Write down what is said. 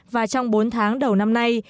và trong bốn tháng đầu năm nay